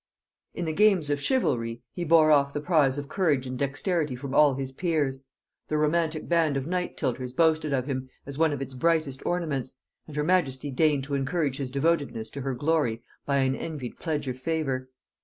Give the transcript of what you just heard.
In the games of chivalry he bore off the prize of courage and dexterity from all his peers; the romantic band of knights tilters boasted of him as one of its brightest ornaments, and her majesty deigned to encourage his devotedness to her glory by an envied pledge of favor.